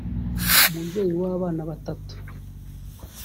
umubyeyi w’abana batatu